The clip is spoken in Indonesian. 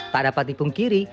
tak dapat dipungkiri